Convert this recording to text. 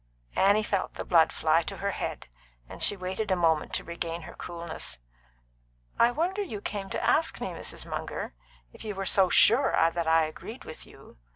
Annie felt the blood fly to her head, and she waited a moment to regain her coolness. "I wonder you came to ask me, Mrs. Munger, if you were so sure that I agreed with you.